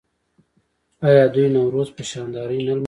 آیا دوی نوروز په شاندارۍ نه لمانځي؟